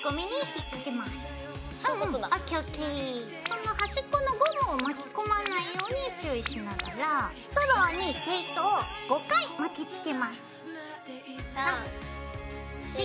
その端っこのゴムを巻き込まないように注意しながらストローに毛糸を５回巻きつけます。